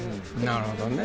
なるほどね。